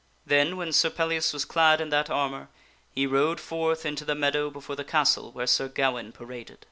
Then, when Sir Pellias was clad in that armor, he rode forth into the meadow before the castle where Sir Gawaine paraded.